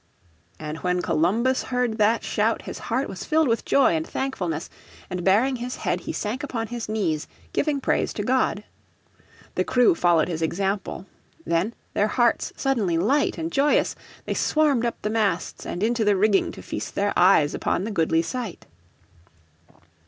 And when Columbus heard that shout his heart was filled with joy and thankfulness, and baring his head he sank upon his knees, giving praise to God. The crew followed his example. Then, their hearts suddenly light and joyous, they swarmed up the masts and into the rigging to feast their eyes upon the goodly sight.